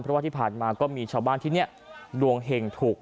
เพราะว่าที่ผ่านมาก็มีชาวบ้านที่นี่ดวงเห็งถูก